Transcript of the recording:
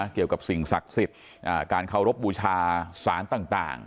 เกี่ยวกับสิ่งศักดิ์สิทธิ์การเคารพบูชาสารต่าง